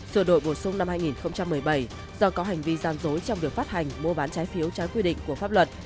sửa đổi bổ sung năm hai nghìn một mươi bảy do có hành vi gian dối trong việc phát hành mua bán trái phiếu trái quy định của pháp luật